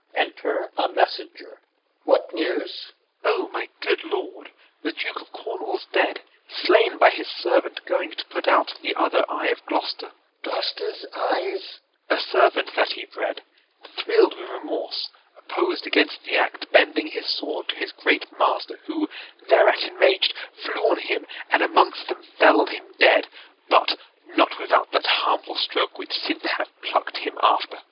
Gon. Marry, your manhood mew! Enter a Gentleman. Alb. What news? Gent. O, my good lord, the Duke of Cornwall 's dead, Slain by his servant, going to put out The other eye of Gloucester. Alb. Gloucester's eyes? Gent. A servant that he bred, thrill'd with remorse, Oppos'd against the act, bending his sword To his great master; who, thereat enrag'd, Flew on him, and amongst them fell'd him dead; But not without that harmful stroke which since Hath pluck'd him after.